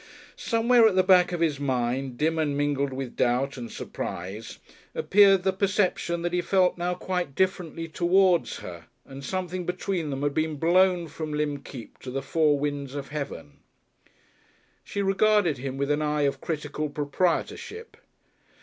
Somewhere at the back of his mind, dim and mingled with doubt and surprise, appeared the perception that he felt now quite differently towards her, that something between them had been blown from Lympne Keep to the four winds of heaven.... She regarded him with an eye of critical proprietorship.